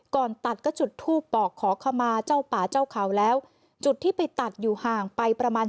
ก่อนตัดก็จุดทูปบอกขอขมาเจ้าป่าเจ้าเขาแล้วจุดที่ไปตัดอยู่ห่างไปประมาณ